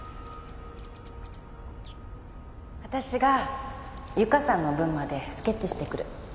私がゆかさんの分までスケッチしてくる。